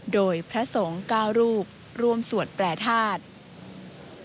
โดยพระสงฆ์๙รูปร่วมสวดแปรธาตุ